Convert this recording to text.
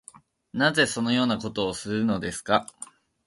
なぜそのようなことをするのですか